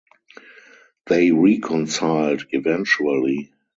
They reconciled eventually.